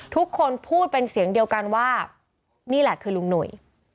ทุกคนพูดเป็นเสียงเดียวกันว่านี่แหละคือลุงหนุ่ย